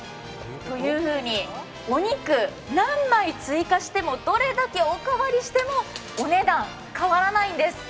お肉、何枚追加しても、どれだけおかわりしてもお値段、変わらないんです。